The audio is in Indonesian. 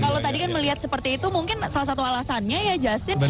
kalau tadi kan melihat seperti itu mungkin salah satu alasannya ya justin